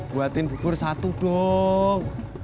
buatin bur satu dong